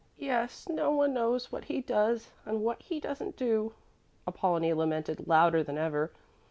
"Yes, no one knows what he does and what he doesn't do," Apollonie lamented, louder than ever.